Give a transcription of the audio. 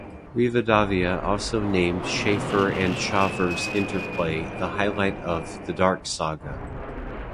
Rivadavia also named Schaffer and Shawver's interplay the highlight of "The Dark Saga".